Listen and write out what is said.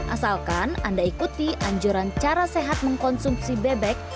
asalkan anda ikuti anjuran cara sehat mengkonsumsi bebek